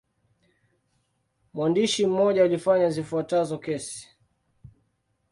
Mwandishi mmoja alifanya zifuatazo kesi.